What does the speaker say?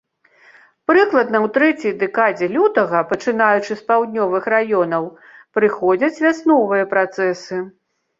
Прыкладна ў трэцяй дэкадзе лютага, пачынаючы з паўднёвых раёнаў, прыходзяць вясновыя працэсы.